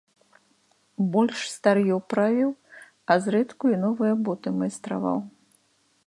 Больш стар'ё правіў, а зрэдку і новыя боты майстраваў.